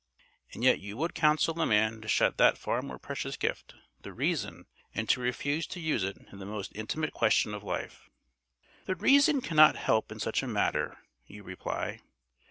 And yet you would counsel a man to shut that far more precious gift, the reason, and to refuse to use it in the most intimate question of life. "The reason cannot help in such a matter," you reply.